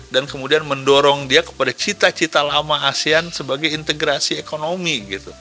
dan kemudian mendorong dia kepada cita cita lama asean sebagai integrasi ekonomi gitu